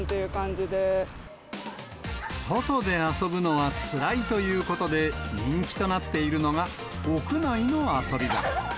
外で遊ぶのはつらいということで、人気となっているのが、屋内の遊び場。